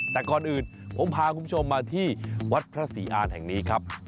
แต่ก่อนอื่นผมพาคุณผู้ชมมาที่วัดพระศรีอานแห่งนี้ครับ